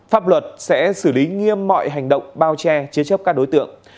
pháp luật sẽ xử lý nghiêm mọi hành động bao che chế chấp các đối tượng